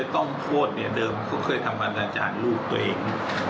ต้องโทษเนี่ยเดิมเขาเคยทำอนาจารย์ลูกตัวเอง